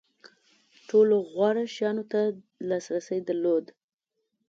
ټولو غوره شیانو ته لاسرسی درلود.